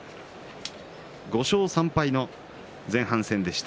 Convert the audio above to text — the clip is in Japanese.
５勝３敗の前半戦でした。